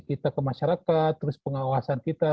kita ke masyarakat terus pengawasan kita